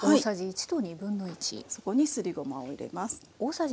そこにすりごまを入れます。